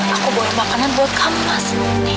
aku bawa makanan buat kamu mas